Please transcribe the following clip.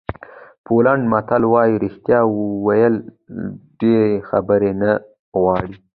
پولنډي متل وایي رښتیا ویل ډېرې خبرې نه غواړي.